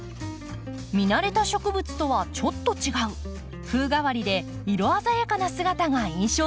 見慣れた植物とはちょっと違う風変わりで色鮮やかな姿が印象的。